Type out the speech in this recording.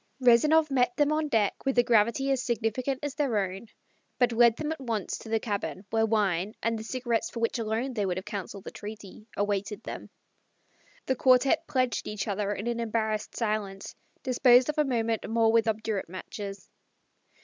Rezanov met them on deck with a gravity as significant as their own, but led them at once to the cabin where wine, and the cigarettes for which alone they would have counselled the treaty, awaited them. The quartette pledged each other in an embarrassed silence, disposed of a moment more with obdurate matches.